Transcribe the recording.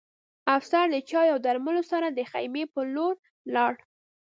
افسر د چای او درملو سره د خیمې په لور لاړ